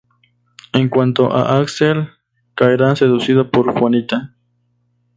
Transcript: En cuanto a Axel, caerá seducido por Juanita.